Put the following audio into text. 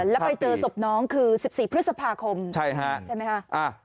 แล้วไปเจอศพน้องคือ๑๔พฤษภาคมใช่ไหมคะ